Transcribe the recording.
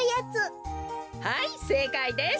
はいせいかいです。